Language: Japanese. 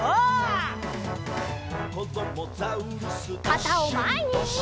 かたをまえに！